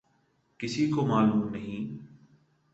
کسی کو معلوم نہیں۔